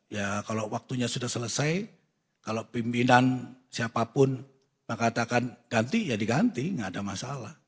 ya kalau waktunya sudah selesai kalau pimpinan siapapun mengatakan ganti ya diganti nggak ada masalah